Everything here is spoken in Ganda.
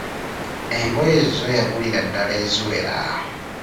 Engoye zzo yagulira ddala eziwera.